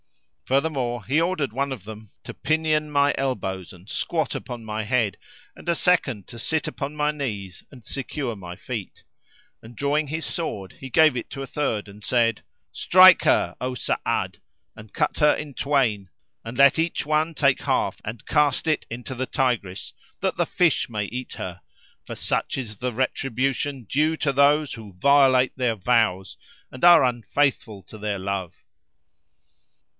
Furthermore, he ordered one of them to pinion my elbows and squat upon my head; and a second to sit upon my knees and secure my feet; and drawing his sword he gave it to a third and said, "Strike her, O Sa'ad, and cut her in twain and let each one take half and cast it into the Tigris[FN#346] that the fish may eat her; for such is the retribution due to those who violate their vows and are unfaithful to their love."